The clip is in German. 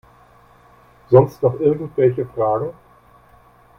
Sonst noch irgendwelche Fragen?